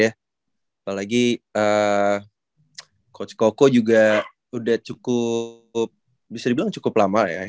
apalagi coach koko juga sudah cukup bisa dibilang cukup lama ya